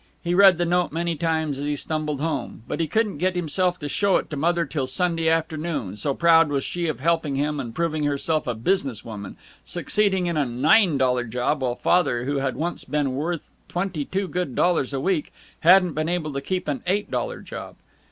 He read the note many times as he stumbled home. But he couldn't get himself to show it to Mother till Sunday afternoon, so proud was she of helping him and proving herself a business woman succeeding in a nine dollar job while Father, who had once been worth twenty two good dollars a week, hadn't been able to keep an eight dollar job.